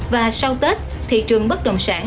và sau tết thị trường bất đồng sản